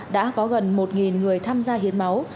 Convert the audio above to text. đã có gần một người tham gia hiến máu